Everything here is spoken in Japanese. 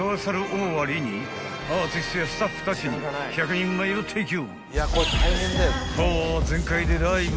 終わりにアーティストやスタッフたちに１００人前を提供］